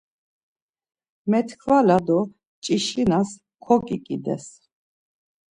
Metkvala do ç̌işinas koǩiǩides.